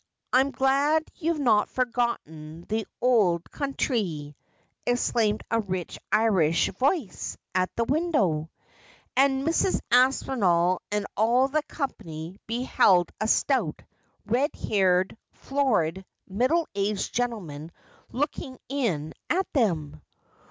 I'm glad ye've not forgotten the ould counthry,' exclaimed a rich Irish voice at the window ; and Mrs. Aspinall and all the company beheld a stout, red haired, florid, middle aged gentleman looking in at them.